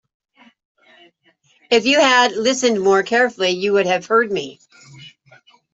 If you had listened more carefully, you would have heard me.